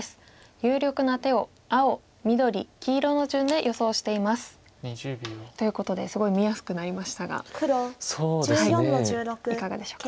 有力な手を青緑黄色の順で予想しています。ということですごい見やすくなりましたがいかがでしょうか？